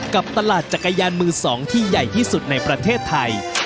กับตลาดจักรยานมือ๒ที่ใหญ่ที่สุดในประเทศไทย